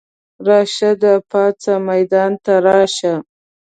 راشده پاڅه ميدان ته راشه!